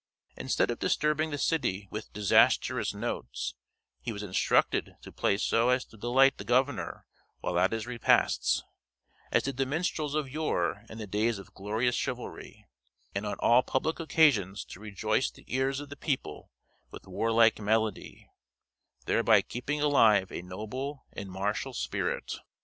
Instead of disturbing the city with disastrous notes, he was instructed to play so as to delight the governor while at his repasts, as did the minstrels of yore in the days of glorious chivalry; and on all public occasions to rejoice the ears of the people with warlike melody, thereby keeping alive a noble and martial spirit.